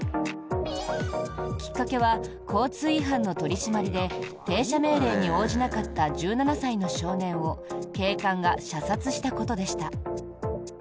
きっかけは交通違反の取り締まりで停車命令に応じなかった１７歳の少年を警官が射殺したことでした。